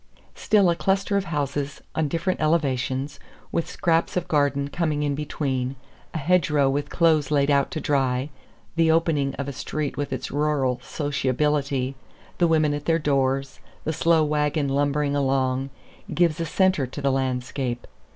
Still a cluster of houses on differing elevations, with scraps of garden coming in between, a hedgerow with clothes laid out to dry, the opening of a street with its rural sociability, the women at their doors, the slow wagon lumbering along, gives a centre to the landscape.